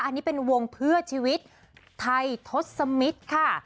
อันนี้เป็นวงเพื่อชีวิตไทยทศมิตรค่ะ